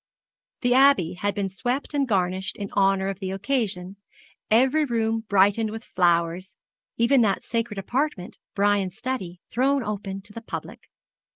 The Abbey had been swept and garnished in honour of the occasion, every room brightened with flowers even that sacred apartment, Brian's study, thrown open to the public.